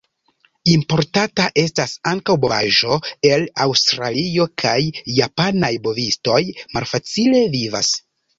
Importata estas ankaŭ bovaĵo el Aŭstralio, kaj japanaj bovistoj malfacile vivas.